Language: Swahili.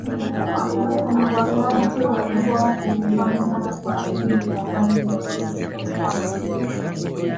wakati walikuwa nikifanya kwa ajili ya hali ya watoto katika madini